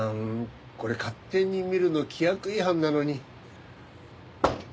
これ勝手に見るの規約違反なのに。